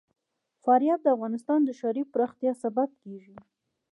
فاریاب د افغانستان د ښاري پراختیا سبب کېږي.